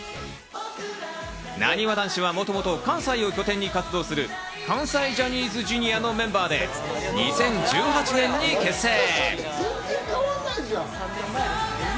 なにわ男子は、もともと関西を拠点に活動する関西ジャニーズＪｒ．のメンバーで２０１８年に結成。